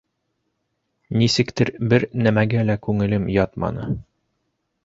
Нисектер бер нәмәгә лә күңелем ятманы.